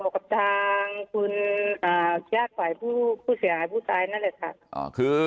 บอกกับทางคุณแยกฝ่ายผู้เสียหายผู้ตายนั่นแหละค่ะ